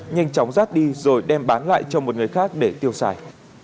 nhanh chóng rát đi rồi đem bán lại cho một người khác để tiêu xài